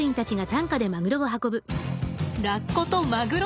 ラッコとマグロ。